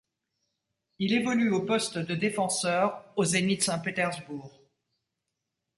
Il évolue au poste de défenseur au Zénith Saint-Pétersbourg.